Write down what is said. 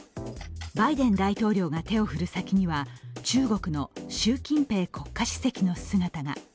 バイデン大統領が手を振る先には中国の習近平国家主席の姿が。